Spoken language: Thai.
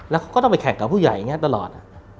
แล้วเขาก็ต้องไปแข่งกับผู้ใหญ่อย่างนี้ตลอด